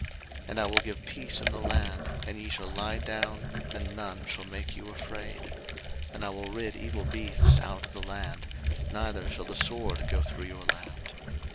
03:026:006 And I will give peace in the land, and ye shall lie down, and none shall make you afraid: and I will rid evil beasts out of the land, neither shall the sword go through your land.